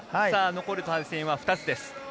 残る対戦は２つです。